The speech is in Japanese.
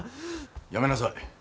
やめなさい。